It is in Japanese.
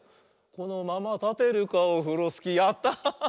「このままたてるかオフロスキー」やった！